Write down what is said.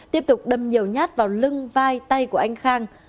tiếp tục đâm nhiều nhát vào lưng vai tay của anh khang